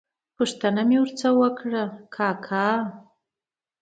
ور نه مې پوښتنه وکړه: کاکا!